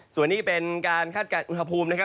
ส่วนนี้เป็นการคาดการณ์อุณหภูมิ